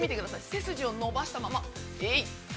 背筋を伸ばしたまま、えいっ。